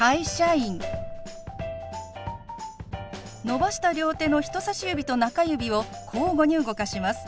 伸ばした両手の人さし指と中指を交互に動かします。